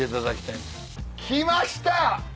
来ました！